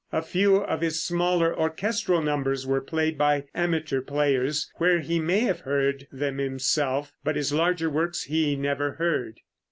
A few of his smaller orchestral numbers were played by amateur players, where he may have heard them himself, but his larger works he never heard.